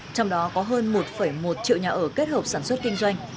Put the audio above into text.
trong đó có hơn một một triệu nhà ở kết hợp sản xuất kinh doanh